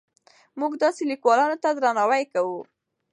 موږ داسې لیکوالانو ته درناوی کوو.